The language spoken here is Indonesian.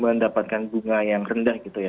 mendapatkan bunga yang rendah gitu ya